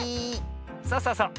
そうそうそう。